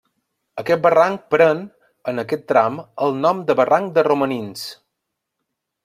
Aquest barranc pren, en aquest tram, el nom de barranc de Romanins.